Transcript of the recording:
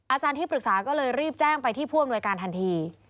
อาจารย์ที่ปรึกษาก็เลยรีบแจ้งไปที่ผู้อำนวยการทันที